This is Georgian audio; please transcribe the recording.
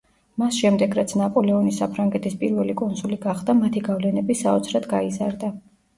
მას შემდეგ, რაც ნაპოლეონი საფრანგეთის პირველი კონსული გახდა მათი გავლენები საოცრად გაიზარდა.